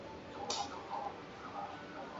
芝麻打糕是打糕的一种。